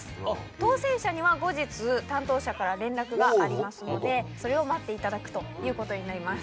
当選者には後日担当者から連絡がありますのでそれを待っていただくということになります。